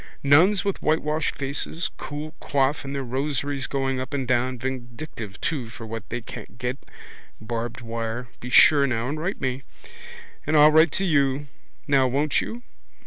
Nuns with whitewashed faces, cool coifs and their rosaries going up and down, vindictive too for what they can't get. Barbed wire. Be sure now and write to me. And I'll write to you. Now won't you?